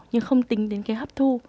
nhưng không tính đến cái hấp thu